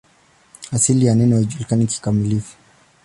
Asili ya neno haijulikani kikamilifu.